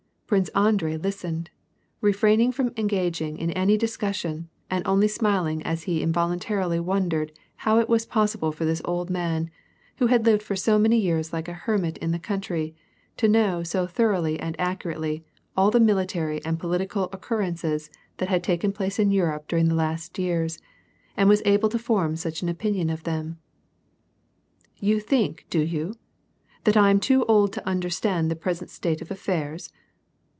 Prince Andrei listened, refraining from engaging in any discussion, and only smiling as he involuntarily wondered how it was possible for this old man, who had lived for so many years like a hermit in the coun try, to know so thoroughly and accurately all the military and political occurrences that had taken place in Europe during the last years, and was able to form such an opinion of them. " You think, do you, that I am too old to understand the present state of alfairs